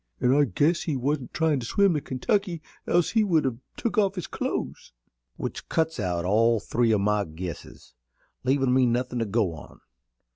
An' I guess he wasn't tryin' to swim the Kentucky, else he would have took off his clothes." "Which cuts out all three o' my guesses, leavin' me nothin' to go on.